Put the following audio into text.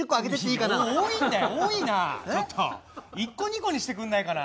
１個２個にしてくんないかな？